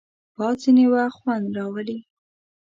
باد ځینې وخت خوند راولي